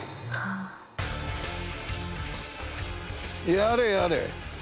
やれやれ。